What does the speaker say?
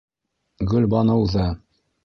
Гөлбаныуҙы...